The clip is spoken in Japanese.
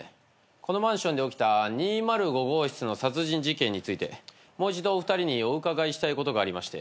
このマンションで起きた２０５号室の殺人事件についてもう一度お二人にお伺いしたいことがありまして。